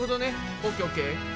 ＯＫＯＫ！